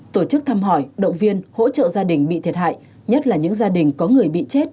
tổ chức thăm hỏi động viên hỗ trợ gia đình bị thiệt hại nhất là những gia đình có người bị chết